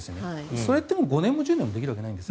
それって５年も１０年もできるわけないんです。